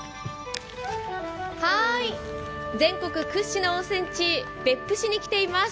全国屈指の温泉地、別府市に来ています。